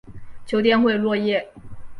秋天会落叶。